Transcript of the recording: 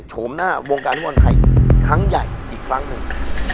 โฉมหน้าวงการฟุตบอลไทยครั้งใหญ่อีกครั้งหนึ่ง